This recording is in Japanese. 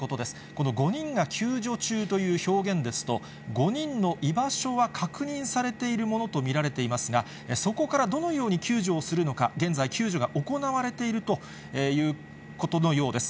この５人が救助中という表現ですと、５人の居場所は確認されているものと見られていますが、そこからどのように救助をするのか、現在、救助が行われているということのようです。